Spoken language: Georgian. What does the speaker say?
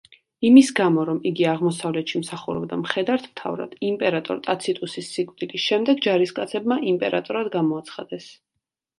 იმის გამო, რომ იგი აღმოსავლეთში მსახურობდა მხედართმთავრად, იმპერატორ ტაციტუსის სიკვდილის შემდეგ ჯარისკაცებმა იმპერატორად გამოაცხადეს.